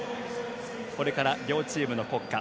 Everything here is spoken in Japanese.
これから両チームの国歌。